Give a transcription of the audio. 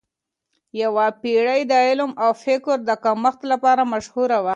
یوه پیړۍ د علم او فکر د کمښت لپاره مشهوره وه.